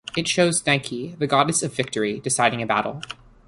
It shows Nike, the goddess of victory, deciding a battle.